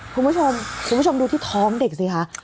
คุณผู้ชมคุณผู้ชมดูที่ท้องเด็กสิคะ